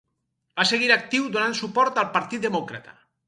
Va seguir actiu donant suport al Partit Demòcrata.